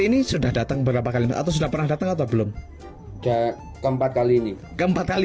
ini sudah datang berapa kali atau sudah pernah datang atau belum keempat kali ini keempat kali